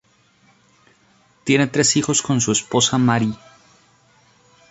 Tiene tres hijos con su esposa Marie.